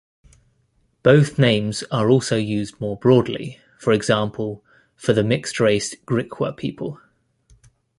Both names are also used more broadly, for example for the mixed-race Griqua people.